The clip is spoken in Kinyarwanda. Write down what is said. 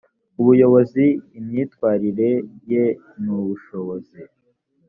ubuyobozi imyitwarire ye n ubushobozi